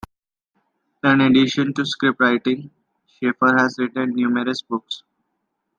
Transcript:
In addition to scriptwriting, Shaffer has written numerous books.